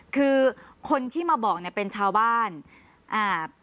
คือคนที่มาบอกเนี่ยเป็นชาวบ้านอ่า